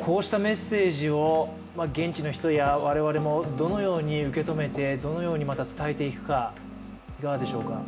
こうしたメッセージを現地の人や我々もどのように受け止めて、どのようにまた伝えていくか、いかがでしょうか。